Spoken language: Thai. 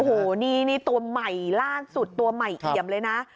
โอ้โหนี่ตัวใหม่ล่าสุดตัวใหม่เอี่ยมเลยนะ